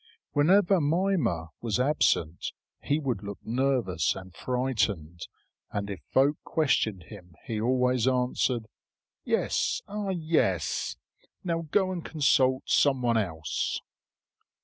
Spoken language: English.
Whenever Mimer was absent he would look nervous and frightened, and if folk questioned him he always answered: "Yes, ah yes! Now go and consult someone else."